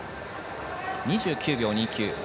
２９秒２９。